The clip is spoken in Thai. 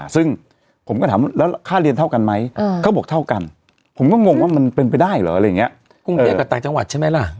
ซึ่งผมก็ถามแล้วค่าเรียนเท่ากันไหมเขาบอกเท่ากันผมก็งงว่ามันเป็นไปได้หรออะไรอย่างนี้